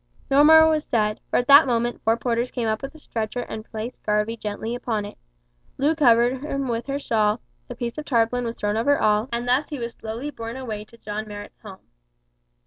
No more was said, for at that moment four porters came up with a stretcher and placed Garvie gently upon it. Loo covered him with her shawl, a piece of tarpaulin was thrown over all, and thus he was slowly borne away to John Marrot's home.